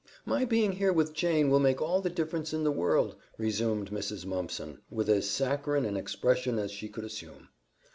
"My being here with Jane will make all the difference in the world," resumed Mrs. Mumpson, with as saccharine an expression as she could assume.